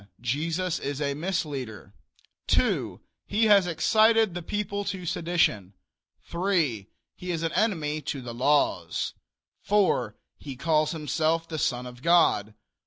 Jesus is a misleader. 2. He has excited the people to sedition. 3. He is an enemy to the laws. 4. He calls himself the son of God.